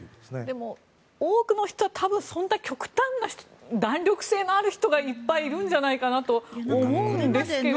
でも、多くの人は多分、そんな極端な弾力性のある人がいっぱいいるんじゃないかと思うんですけど。